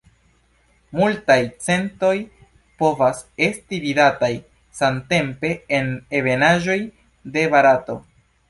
Multaj centoj povas esti vidataj samtempe en ebenaĵoj de Barato.